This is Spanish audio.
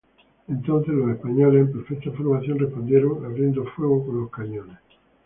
Entonces, los españoles, en perfecta formación, respondieron abriendo fuego con los cañones.